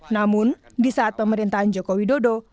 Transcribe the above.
namun di saat pemerintahan jokowi dodo